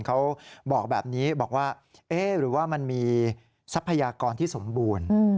เขาบอกแบบนี้บอกว่าเอ๊ะหรือว่ามันมีทรัพยากรที่สมบูรณ์